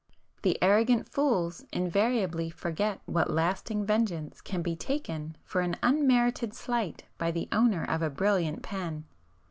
The arrogant fools invariably forget what lasting vengeance can be taken for an unmerited slight by the owner of a brilliant pen!